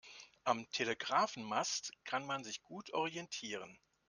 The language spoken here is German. Am Telegrafenmast kann man sich gut orientieren.